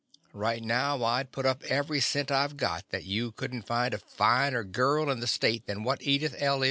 Right now I 'd put up every cent I 've got that you could n't find a finer girl in the state than what Edith L.